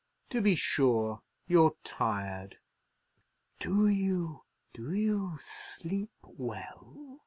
"To be sure. You're tired. Do you—do you—sleep well?"